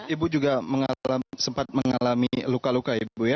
ibu juga sempat mengalami luka luka ya ibu ya